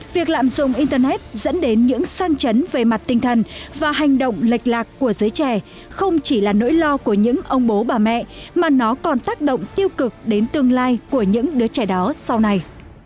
việc lạm dụng internet dẫn đến những sang chấn về mặt tinh thần và hành động lệch lạc của giới trẻ không chỉ là nỗi lo của những ông bố bà mẹ mà nó còn tác động tiêu cực đến tương lai của những đứa trẻ đó sau này